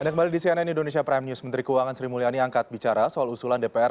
dan kembali di cnn indonesia prime news menteri keuangan sri mulyani angkat bicara soal usulan dpr